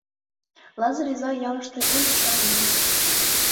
Лазыр изай ялыште эн ӱшан еҥ.